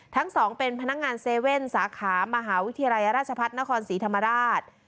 ทั้งสองเป็นพนักงาน๗๑๑สาขามหาวิทยาลัยราชพัฒนครศรีธรรมราช